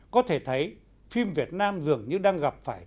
có thể thấy phim việt nam dường như đang gặp phải